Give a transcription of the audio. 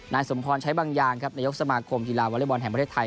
สมพรใช้บางอย่างครับนายกสมาคมกีฬาวอเล็กบอลแห่งประเทศไทย